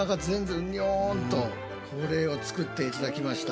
これを作って頂きました。